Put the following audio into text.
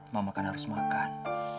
mama kan harus makan